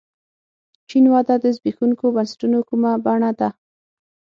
چین وده د زبېښونکو بنسټونو کومه بڼه ده.